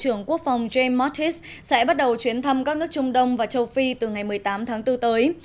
ông james mattis sẽ bắt đầu chuyến thăm các nước trung đông và châu phi từ ngày một mươi tám tháng bốn tới